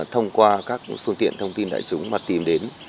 thông qua các phương tiện thông tin đại chúng mà tìm đến